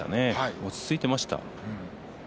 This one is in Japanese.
落ち着いていました。